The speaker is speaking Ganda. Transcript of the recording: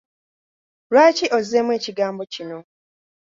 Lwaki ozzeemu ekigambo kino?